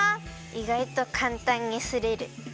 いがいとかんたんにすれる。